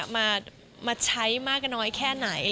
มาใช้มากน้อยแค่ไหน